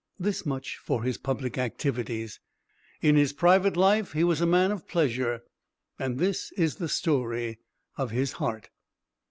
This much for his public activities. In his private life he was a man of pleasure. And this is the story of his heart.